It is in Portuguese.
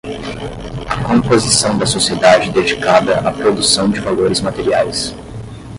a composição da sociedade dedicada à produção de valores materiais